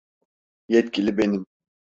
Yetkili benim.